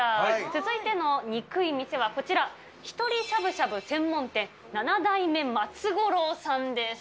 続いてのニクい店はこちら、ひとりしゃぶしゃぶ専門店、七代目松五郎さんです。